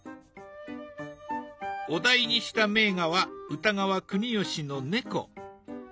お題にした名画は歌川国芳の「猫」。